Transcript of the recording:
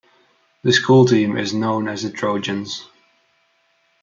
The school team is known as The Trojans.